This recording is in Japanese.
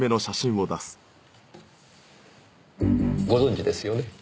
ご存じですよね？